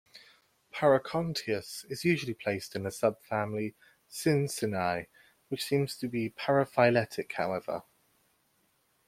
"Paracontias" is usually placed in the subfamily Scincinae, which seems to be paraphyletic however.